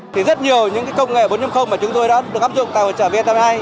thì rất nhiều những cái công nghệ bốn mà chúng tôi đã được áp dụng tại hỗ trợ vn ba mươi hai